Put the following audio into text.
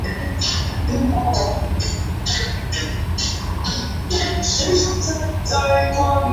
中央日报为中华民国国民政府在大陆时期之代表性的官方媒体。